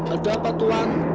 ada apa tuan